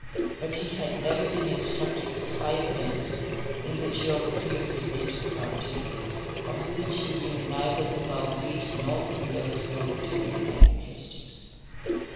But he had never been instructed for five minutes in the geography of his native county, of which he knew neither the boundaries nor the rivers nor the terrene characteristics.